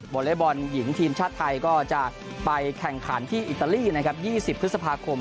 อเล็กบอลหญิงทีมชาติไทยก็จะไปแข่งขันที่อิตาลีนะครับ๒๐พฤษภาคม